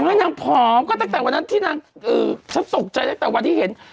นางผอมก็ตั้งแต่วันนั้นที่นางฉันตกใจตั้งแต่วันที่เห็น